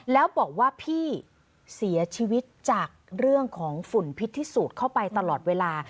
แล้วบอกว่าพี่เสียชีวิตจากเรื่องของฝุ่นพิษที่สูดเข้าไปตลอดเวลา